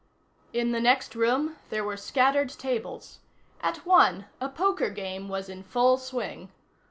In the next room, there were scattered tables. At one, a poker game was in full swing.